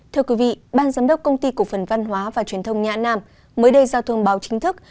thưa quý vị ban giám đốc công ty cổ phần văn hóa và truyền thông nhã nam mới đây ra thông báo chính thức